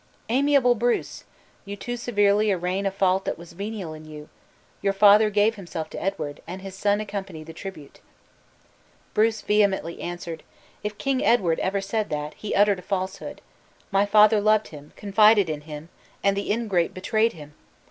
"Amiable Bruce! you too severely arraign a fault that was venial in you. Your father gave himself to Edward, and his son accompanied the tribute." Bruce vehemently answered, "If King Edward ever said that, he uttered a falsehood. My father loved him, confided in him, and the ingrate betrayed him!